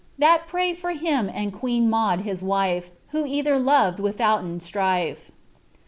That pray for him and queen Jiibude his wife, Who either other loved withouten strife."